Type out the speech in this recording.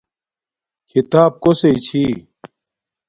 کھیتاپ کوسݵ چھی